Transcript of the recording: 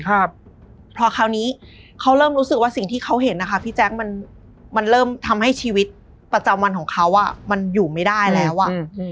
พอคราวนี้เขาเริ่มรู้สึกว่าสิ่งที่เขาเห็นนะคะพี่แจ๊คมันมันเริ่มทำให้ชีวิตประจำวันของเขาอ่ะมันอยู่ไม่ได้แล้วอ่ะอืม